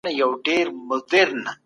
عدالت په ټولنه کي پلی کړئ.